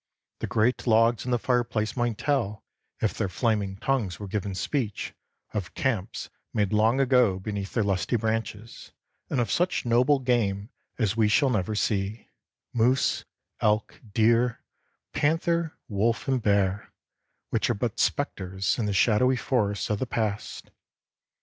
The great logs in the fireplace might tell, if their flaming tongues were given speech, of camps made long ago beneath their lusty branches, and of such noble game as we shall never see, moose, elk, deer, panther, wolf, and bear, which are but spectres in the shadowy forest of the past.